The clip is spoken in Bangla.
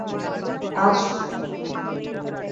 আজ সেই কথাটা নিয়ে সমস্ত দিন বসে বসে ভাবছি, এও কি সইবে?